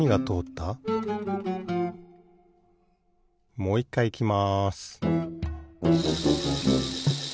もういっかいいきます